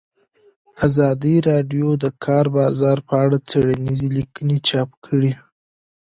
ازادي راډیو د د کار بازار په اړه څېړنیزې لیکنې چاپ کړي.